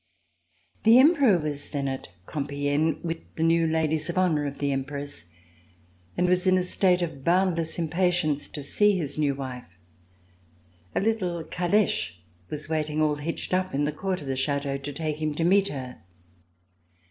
The Emperor was then at Compiegne with the new Ladies of Honor of the Empress and was in a state of boundless impatience to see his new wife. A little caleche was waiting all hitched up in the court of the Chateau to take him to meet her.